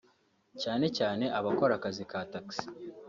cyane cyane abakora akazi ka Taxi